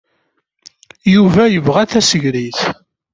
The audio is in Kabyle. Yuba yebɣa tasegrit.